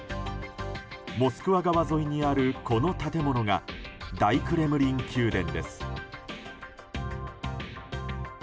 モスクワ川沿いにあるこの建物が大クレムリン宮殿です。